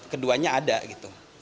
keduanya ada gitu